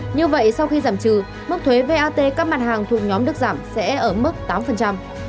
như vậy sau khi giảm trừ mức thuế vat các mặt hàng thuộc nhóm được giảm sẽ ở mức tám